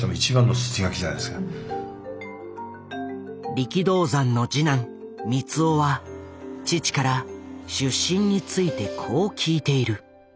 力道山の次男光雄は父から出身についてこう聞いている。